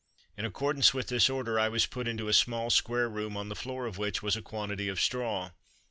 In accordance with this order I was put into a small square room, on the floor of which was a quantity of straw.